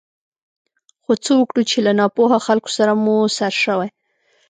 خو څه وکړو چې له ناپوهه خلکو سره مو سر شوی.